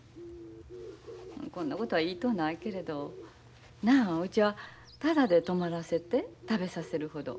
こんなことは言いとうないけれどなあうちはタダで泊まらせて食べさせるほどお人よしやないで。